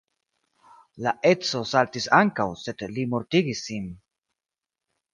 La edzo saltis ankaŭ, sed li mortigis sin.